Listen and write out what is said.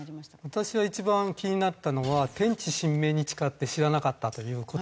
私は一番気になったのは「天地神明に誓って知らなかった」という言葉なんですよね。